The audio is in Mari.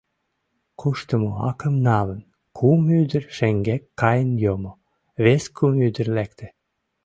Куштымо акым налын, кум ӱдыр шеҥгек каен йомо, вес кум ӱдыр лекте.